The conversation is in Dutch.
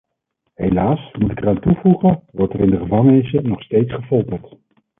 Helaas, moet ik eraan toevoegen, wordt er in de gevangenissen nog steeds gefolterd!